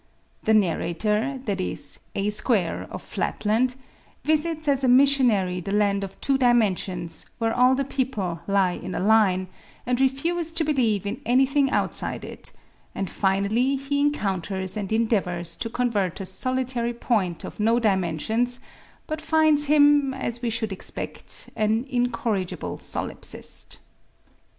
The narrator, that is, A Square of Flatland, visits as a missionary the land of tvv^o dimensions where all the people lie in a line and refuse to believe in anything outside it and finally he encounters and endeavors to convert a solitary point of no dimensions but finds him, as we should expect, an incorrigible solipsist.